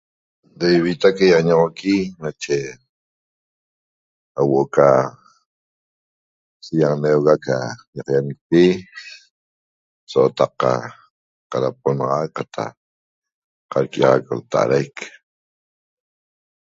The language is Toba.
Da ivita ca iañoxoqui nache huo'o ca siiaxaneuga ca iqaiañecpi so'otac ca qaraponaxac qataq qarquiaxac lta'araic